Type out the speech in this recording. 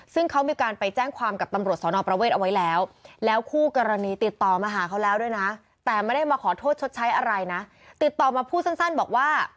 ซึ่งเขามีการไปแจ้งความกับตำรวจสรวนอาวุธประเวทเอาไว้แล้ว